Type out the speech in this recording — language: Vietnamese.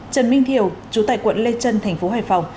trần minh thiều chú tài quận lê trân tp hải phòng